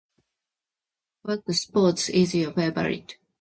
What sports is your favorite?